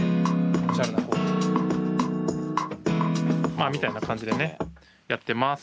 まあみたいな感じでねやってます。